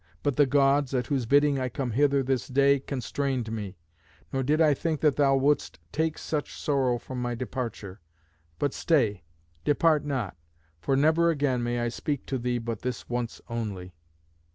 But the Gods, at whose bidding I come hither this day, constrained me; nor did I think that thou wouldst take such sorrow from my departure. But stay; depart not; for never again may I speak to thee but this once only."